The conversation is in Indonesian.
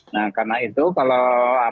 nah karena itu kalau